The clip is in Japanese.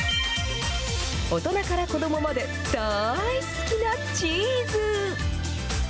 大人から子どもまで大好きなチーズ。